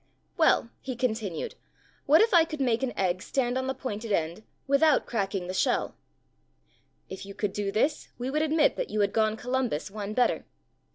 "Well," he continued, "what if I could make an egg stand on the pointed end without cracking the shell?" "If you could do this we would ad mit that you had gone Columbus one better."